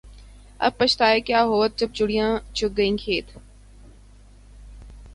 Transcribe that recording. اب بچھتائے کیا ہوت جب چڑیا چگ گئی کھیت